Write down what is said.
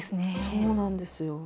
そうなんですよ。